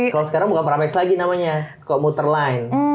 kalau sekarang bukan pramex lagi namanya komuter line